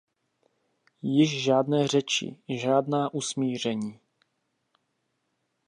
Již žádné řeči; žádná usmíření.